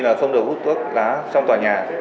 hành vi là không được hút thuốc lá trong tòa nhà